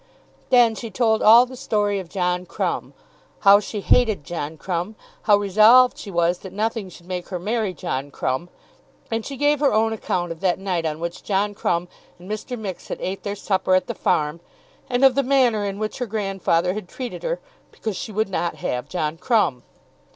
Then she told all the story of John Crumb: how she hated John Crumb; how resolved she was that nothing should make her marry John Crumb. And she gave her own account of that night on which John Crumb and Mr. Mixet ate their supper at the farm, and of the manner in which her grandfather had treated her because she would not have John Crumb.